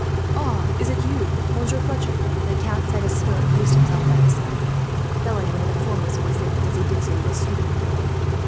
"Ah, is it you, Monsieur Fletcher?" the count said, as Philip placed himself beside him, felling one of the foremost of the assailants, as he did so, with a sweeping blow.